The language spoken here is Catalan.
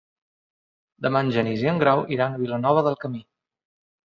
Demà en Genís i en Grau iran a Vilanova del Camí.